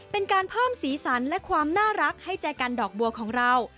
เป็นการเพิ่มสีสันและความน่ารักให้ใจกันดอกบัวของเรา